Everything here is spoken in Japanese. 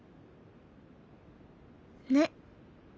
ねっ。